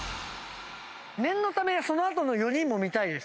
念のためそのあとの４人も見たいです。